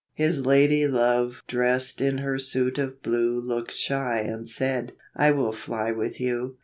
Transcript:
His lady love dressed in her suit of blue Looked shy and said, "I will fly with you."